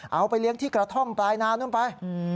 เอาไปเลี้ยงที่กระท่อมปลายนานู่นไป